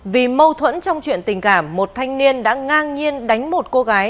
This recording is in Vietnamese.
vì mâu thuẫn trong chuyện tình cảm một thanh niên đã ngang nhiên đánh một cô gái